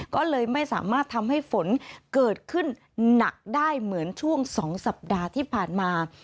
ก็เลยไม่สามารถทำให้ฝนเกิดขึ้นหนักได้เหมือนช่วง๒สัปดาห์ที่ผ่านมา